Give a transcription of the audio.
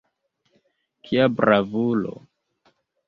Kia bravulo!